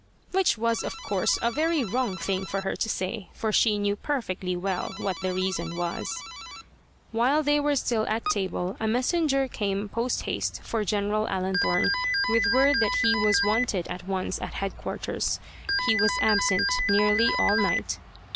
Which was, of course, a very wrong thing for her to say; for she knew perfectly well what the reason was. While they were still at table a messenger came post haste for General Allenthorne, with word that he was wanted at once at headquarters. He was absent nearly all night.